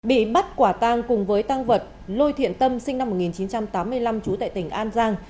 bị bắt quả tang cùng với tăng vật lô thiện tâm sinh năm một nghìn chín trăm tám mươi năm trú tại tỉnh an giang